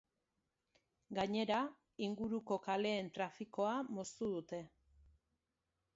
Gainera, inguruko kaleen trafikoa moztu dute.